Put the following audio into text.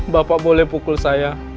bapak boleh pukul saya